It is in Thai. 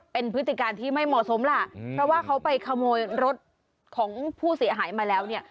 เป็นพฤติการที่ไม่เหมาะสมล่ะเพราะว่าเขาไปขโมยรถของผู้เสียหายมาแล้วเนี่ย